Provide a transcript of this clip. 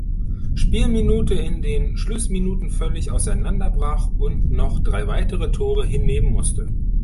Spielminute in den Schlussminuten völlig auseinanderbrach und noch drei weitere Tore hinnehmen musste.